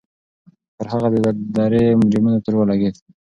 پر هغه د درې جرمونو تور ولګېد.